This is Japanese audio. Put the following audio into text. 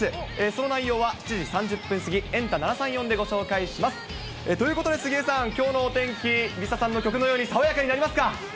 その内容は、７時３０分過ぎ、エンタ７３４でご紹介します。ということで、杉江さん、きょうのお天気、ＬｉＳＡさんの曲のように、爽やかになりますか？